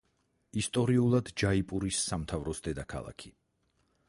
ისტორიულად ჯაიპურის სამთავროს დედაქალაქი.